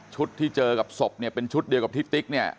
ที่เจอกับศพเนี่ยเป็นชุดเดียวกับที่ติ๊กเนี่ย